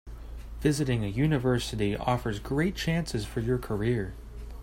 Visiting a university offers great chances for your career.